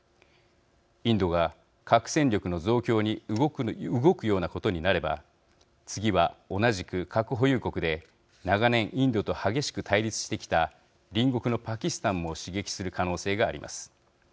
インドが核戦力の増強に動くようなことになれば次は同じく核保有国で、長年インドと激しく対立してきた隣国のパキスタンも刺激する可能性があります。